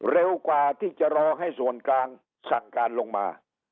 เร็วกว่าที่จะรอให้ส่วนกลางสั่งการลงมา